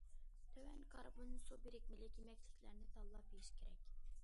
تۆۋەن كاربون سۇ بىرىكمىلىك يېمەكلىكلەرنى تاللاپ يىيىش كېرەك.